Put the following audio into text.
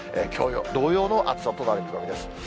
きょう同様の暑さとなる見込みです。